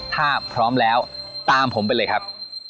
ถ้าพร้อมแล้วตามผมไปเลยครับ